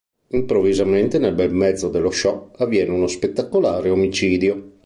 Improvvisamente, nel bel mezzo dello show, avviene uno spettacolare omicidio.